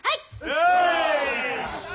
よし！